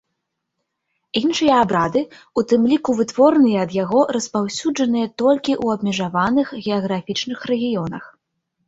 Іншыя абрады, у тым ліку, вытворныя ад яго, распаўсюджаныя толькі ў абмежаваных геаграфічных рэгіёнах.